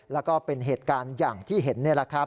แล้วก็เป็นเหตุการณ์อย่างที่เห็น